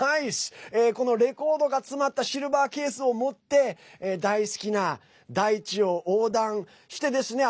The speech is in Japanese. このレコードが詰まったシルバーケースを持って大好きな大地を横断してですね。